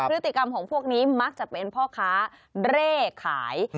พฤติกรรมของพวกนี้มักจะเป็นพ่อค้าเร่ขาย